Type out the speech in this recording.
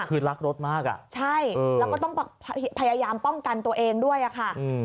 คือรักรถมากอ่ะใช่แล้วก็ต้องพยายามป้องกันตัวเองด้วยอะค่ะ